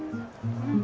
うん。